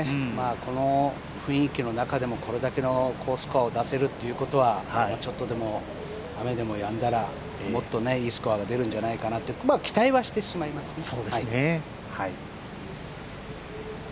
この雰囲気の中でもこれだけの好スコアを出せるということはちょっとでも雨でもやんだらもっといいスコアが出るんじゃないかって期待はしてしまいますね。